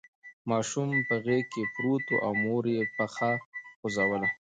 ماشوم په غېږ کې پروت و او مور یې پښه خوځوله.